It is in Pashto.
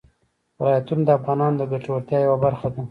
ولایتونه د افغانانو د ګټورتیا یوه برخه ده.